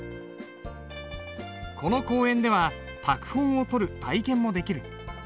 この公園では拓本をとる体験もできる。